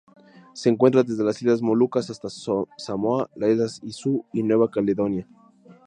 Se encuentra desde las Islas Molucas hasta Samoa, las Islas Izu y Nueva Caledonia.